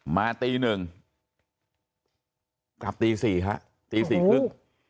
มาตี๑กลับตี๔ครับตี๔ครึ่ง